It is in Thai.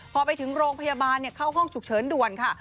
พอไปถึงโรงพยาบาลเข้าห้องฉุกเฉินด่วนค่ะ